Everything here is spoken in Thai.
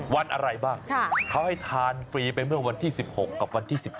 วันอะไรบ้างเขาให้ทานฟรีไปเมื่อวันที่๑๖กับวันที่๑๗